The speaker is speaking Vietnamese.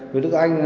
với đức anh